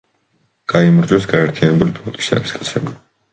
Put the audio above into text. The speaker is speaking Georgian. გაიმარჯვეს გაერთიანებული ფლოტის ჯარისკაცებმა.